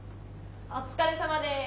お疲れさまです！